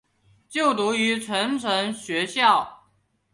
就读过成城学校。